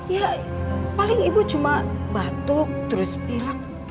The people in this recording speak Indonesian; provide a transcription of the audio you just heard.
ya paling ibu cuma batuk terus pilak